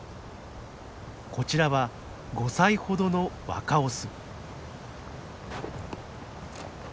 こちらは５歳ほどの若オス。